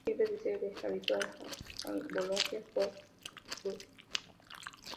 Sirve de sede habitual al Bologna Football Club.